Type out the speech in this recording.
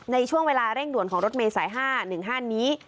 ในช่วงเวลาเร่งด่วนของรถเมษัยห้าหนึ่งห้านี้